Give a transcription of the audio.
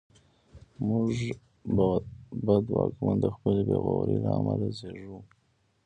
موږ بد واکمن د خپلې بېغورۍ له امله زېږوو.